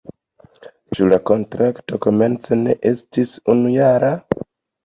Ĉu la kontrakto komence ne estis unujara?